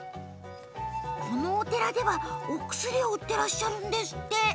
このお寺では、お薬を売ってらっしゃるんですって。